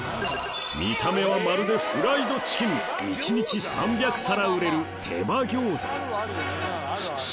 見た目はまるでフライドチキン一日３００皿売れる手羽餃子フッフ。